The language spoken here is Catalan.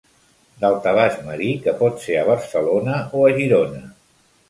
Daltabaix marí que pot ser a Barcelona o a Girona.